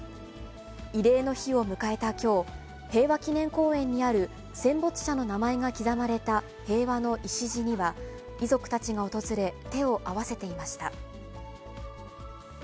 慰霊の日を迎えたきょう、平和祈念公園にある、戦没者の名前が刻まれた平和の礎には、遺族たちが訪れ、手を合わせていました。